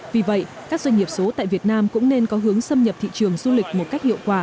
vì vậy các doanh nghiệp số tại việt nam cũng nên có hướng xâm nhập thị trường du lịch một cách hiệu quả